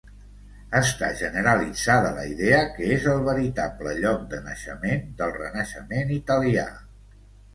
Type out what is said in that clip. Està generalitzada la idea que és el veritable lloc de naixement del Renaixement italià.